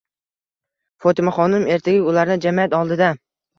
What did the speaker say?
Fotimaxonim ertaga ularni jamiyat oldida